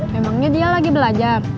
memangnya dia lagi belajar